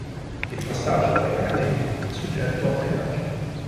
Il passaggio nella galleria è soggetto a pedaggio.